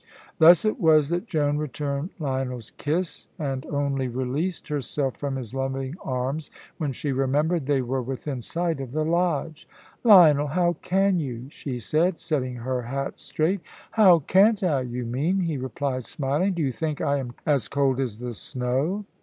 Thus it was that Joan returned Lionel's kiss, and only released herself from his loving arms when she remembered they were within sight of the lodge. "Lionel, how can you?" she said, setting her hat straight. "How can't I, you mean," he replied, smiling; "do you think I am as cold as the snow?"